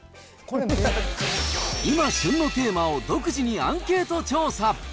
今、旬のテーマを独自にアンケート調査。